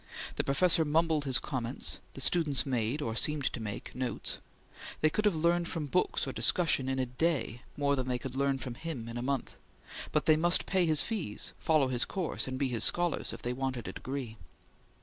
The professor mumbled his comments; the students made, or seemed to make, notes; they could have learned from books or discussion in a day more than they could learn from him in a month, but they must pay his fees, follow his course, and be his scholars, if they wanted a degree.